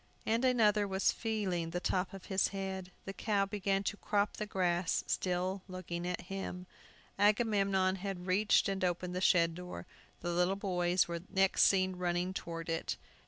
Another was feeling the top of his head. The cow began to crop the grass, still looking at him. Agamemnon had reached and opened the shed door. The little boys were next seen running toward it.